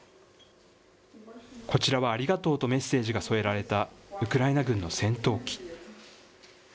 こちらは、ありがとうとメッセージが添えられたウクライナ軍の戦闘機。